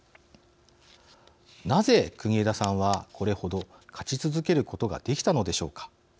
なぜ、国枝さんはこれほど勝ち続けることができたのでしょうか。